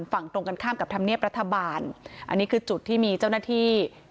ฝั่งตรงกันข้ามกับธรรมเนียบรัฐบาลอันนี้คือจุดที่มีเจ้าหน้าที่